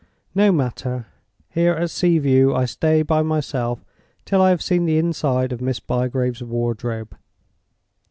No matter! Here at Sea View I stay by myself till I have seen the inside of Miss Bygrave's wardrobe."